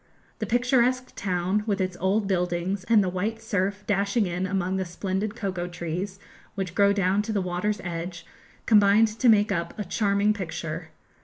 The picturesque town, with its old buildings, and the white surf dashing in among the splendid cocoa trees which grow down to the water's edge, combined to make up a charming picture.